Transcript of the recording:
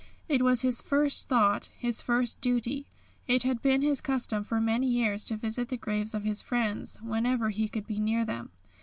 It was his first thought, his first duty. It had been his custom for many years to visit the graves of his friends whenever he could be near them.